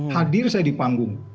hadir saya di panggung